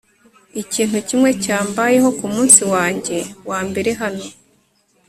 ikintu kimwe cyambayeho kumunsi wanjye wambere hano